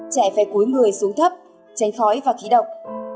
trẻ phải cúi người xuống thấp tránh khói và khí độc